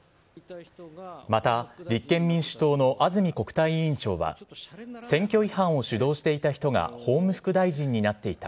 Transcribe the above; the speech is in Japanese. また、立憲民主党の安住国対委員長は、選挙違反を主導していた人が法務副大臣になっていた。